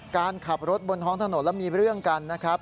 การขับรถบนท้องถนนแล้วมีเรื่องกันนะครับ